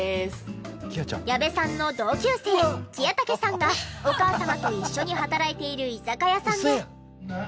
矢部さんの同級生喜屋武さんがお母様と一緒に働いている居酒屋さんで。